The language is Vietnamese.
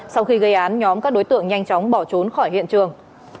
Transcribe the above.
sau khi gây án nhóm các đối tượng nhanh chóng bỏ trốn khỏi hiện trường